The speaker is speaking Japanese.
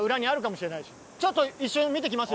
ちょっと一瞬見てきます。